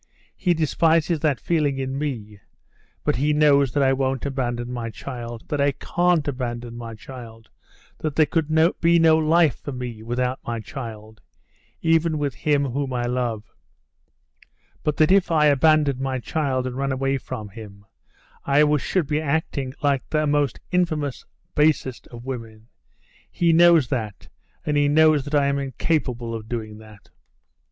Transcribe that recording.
He despises that feeling in me, but he knows that I won't abandon my child, that I can't abandon my child, that there could be no life for me without my child, even with him whom I love; but that if I abandoned my child and ran away from him, I should be acting like the most infamous, basest of women. He knows that, and knows that I am incapable of doing that."